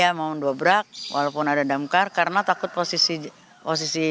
dia gak berani ya mau dobrak walaupun ada damkar karena takut posisi posisi